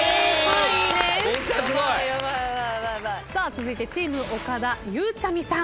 続いてチーム岡田ゆうちゃみさん。